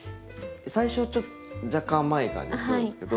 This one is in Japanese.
最初はちょっと若干甘い感じがするんですけど。